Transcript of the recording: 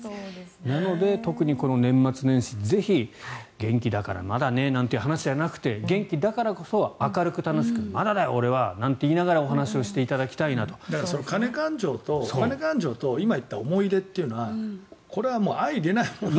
なので特にこの年末年始ぜひ、元気だからまだねということではなくて元気だからこそ明るく楽しくまだだよ俺はなんて言いながら金勘定と今言った思い出というのはこれは相いれないものだから。